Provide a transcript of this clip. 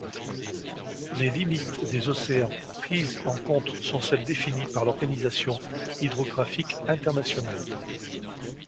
Les limites des océans prises en compte sont celle définies par l'Organisation hydrographique internationale.